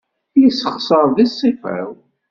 Yessexṣar di ṣṣifa-w.